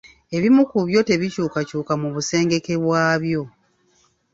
Ebimu ku byo tebikyukakyuka mu busengeke bwabyo.